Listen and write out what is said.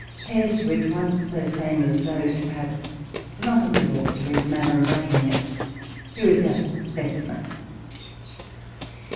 Hare's wit, once so famous, owed perhaps not a little to his manner of uttering it. Here is a speci men.